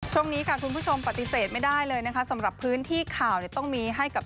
ช่วงนี้ค่ะคุณผู้ชมปฏิเสธไม่ได้เลยนะคะสำหรับพื้นที่ข่าวเนี่ยต้องมีให้กับ